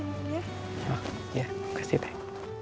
oh iya kasih pak